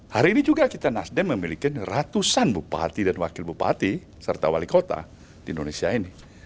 hari ini juga kita nasdem memiliki ratusan bupati dan wakil bupati serta wali kota di indonesia ini